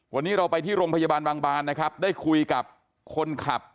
วันนี้เราไปที่โรงพยาบาลบางบานนะครับได้คุยกับคนขับ